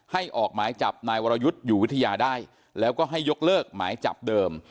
ออกหมายจับนายวรยุทธ์อยู่วิทยาได้แล้วก็ให้ยกเลิกหมายจับเดิม